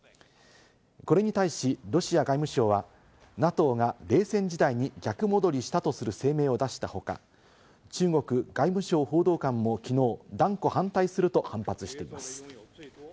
これに対し、ロシア外務省はＮＡＴＯが冷戦時代に逆戻りしたとする声明を出した他、中国外務省報道官もきのう、断固反対すると反発しています。